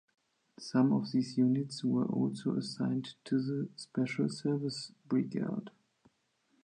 Some of these units were also assigned to the Special Service Brigade.